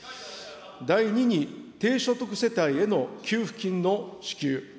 第２に、低所得世帯への給付金の支給。